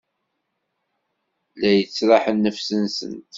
La yettraḥ nnefs-nsent.